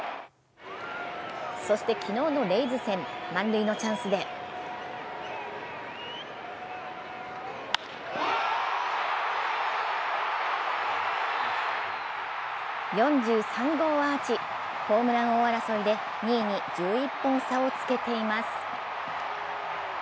そして昨日のレイズ戦、満塁のチャンスで４３号アーチ、ホームラン王争いで２位に１１本差をつけています。